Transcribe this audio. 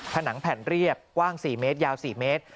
ผนังแผ่นเรียกกว้าง๔เมตรยาว๔เมตร